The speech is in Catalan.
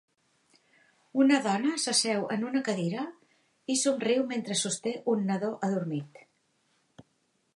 Una dona s'asseu en una cadira i somriu mentre sosté un nadó adormit.